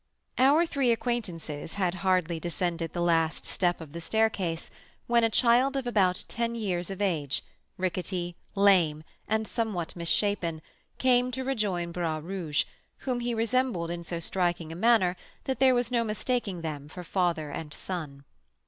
Our three acquaintances had hardly descended the last step of the staircase when a child of about ten years of age, rickety, lame, and somewhat misshapen, came to rejoin Bras Rouge, whom he resembled in so striking a manner that there was no mistaking them for father and son.